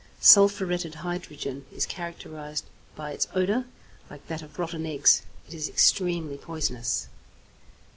=Sulphuretted Hydrogen= is characterized by its odour, like that of rotten eggs. It is extremely poisonous.